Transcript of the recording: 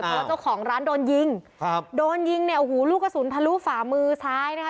เพราะเจ้าของร้านโดนยิงครับโดนยิงแนวหูลูกกระสุนทะลุฝามือซ้ายนะคะ